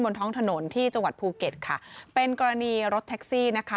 บนท้องถนนที่จังหวัดภูเก็ตค่ะเป็นกรณีรถแท็กซี่นะคะ